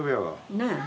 ねえ。